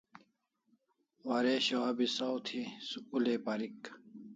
Waresho abi saw thi school ai parik